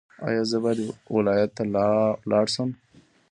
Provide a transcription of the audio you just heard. ایا زه باید ولایت ته لاړ شم؟